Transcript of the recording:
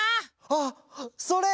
あっそれ！